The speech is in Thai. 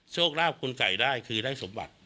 โชคลาภคุณไก่ได้คือได้สมบัติ